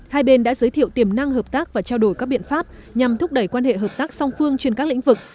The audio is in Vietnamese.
hai bên đã giới thiệu tiềm năng hợp tác và trao đổi các biện pháp nhằm thúc đẩy quan hệ hợp tác song phương trên các lĩnh vực